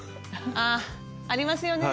あっありますよね。